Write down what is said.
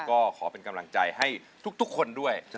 ก็ขอเป็นกำลังใจให้ทุกคนด้วย